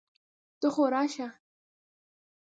ته خو راسه!